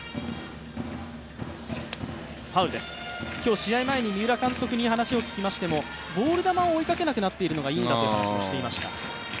今日、試合前に三浦監督に話を聞きましても、ボール球を追いかけなくなっているのがいいんだという話をしていました。